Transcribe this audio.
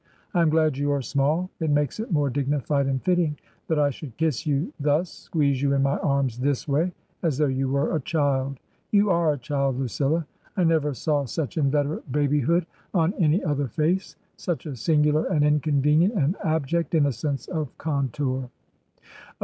I am glad you are small. It makes it more dignified and fitting that I should kiss you, thus^ squeeze you in my arms this way — as though you were a child. You are a child, Lucilla! I never saw such inveterate babyhood on any other face — such a singular and inconvenient and abject innocence of contour." *' Oh